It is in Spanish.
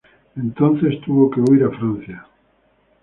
Entonces tuvo que huir a Francia.